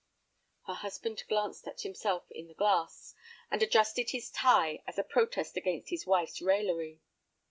Her husband glanced at himself in the glass, and adjusted his tie as a protest against his wife's raillery.